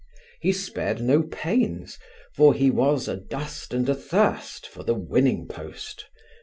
He spared no pains, for he was adust and athirst for the winning post.